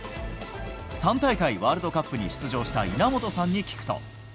３大会ワールドカップに出場した稲本さんに聞くと。